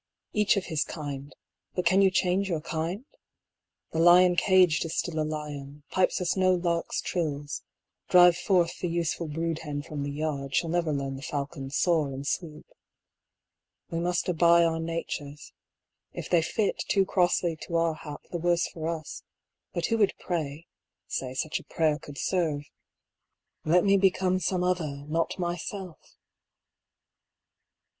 Each of his kind; but can you change your kind? the lion caged is still a lion, pipes us no lark's trills; drive forth the useful brood hen from the yard, she'll never learn the falcon's soar and swoop. We must abye our natures; if they fit too crossly to our hap the worse for us, but who would pray (say such a prayer could serve) "Let me become some other, not myself"?